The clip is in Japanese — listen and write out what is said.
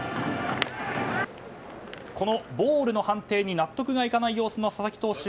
このボールの判定に納得がいかない様子の佐々木投手